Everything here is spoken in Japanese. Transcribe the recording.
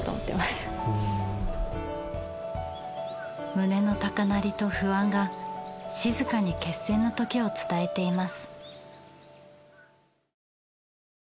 胸の高鳴りと不安が静かに決戦の時を伝えています。